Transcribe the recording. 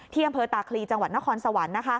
อำเภอตาคลีจังหวัดนครสวรรค์